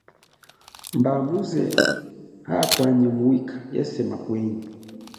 Mba muze habwa ni mwika yasema kwenyi.